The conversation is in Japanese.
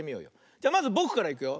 じゃまずぼくからいくよ。